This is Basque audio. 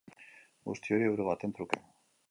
Guzti hori euro baten truke.